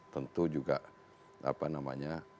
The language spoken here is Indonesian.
tentu juga apa namanya